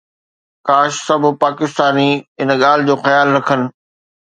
ڪاش سڀ پاڪستاني ان ڳالهه جو خيال رکن